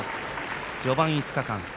序盤５日間。